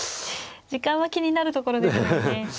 時間は気になるところですもんね。